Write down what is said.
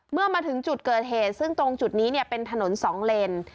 เมื่อมาถึงจุดเกิดเหตุซึ่งตรงจุดนี้เป็นถนนสองเลน